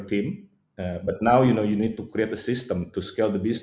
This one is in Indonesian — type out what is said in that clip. tapi sekarang kita harus membuat sistem untuk menaikkan bisnis